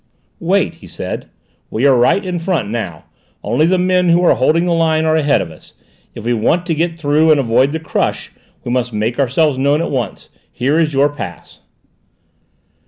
"Wait," he said, "we are right in front now: only the men who are holding the line are ahead of us. If we want to get through and avoid the crush we must make ourselves known at once. Here is your pass."